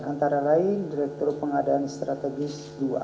antara lain direktur pengadaan strategis dua